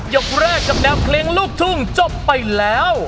ยกแรกกับแนวเพลงลูกทุ่งจบไปแล้ว